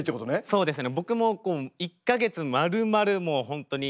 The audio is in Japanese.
そうですね。